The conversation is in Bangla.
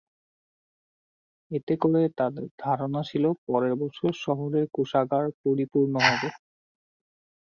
এতে করে তাদের ধারণা ছিল পরের বছর শহরের কোষাগার পরিপূর্ণ হবে।